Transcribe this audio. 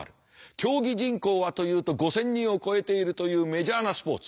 競技人口はというと５，０００人を超えているというメジャーなスポーツ。